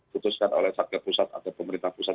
putuskan oleh satgas pusat atau pemerintah pusat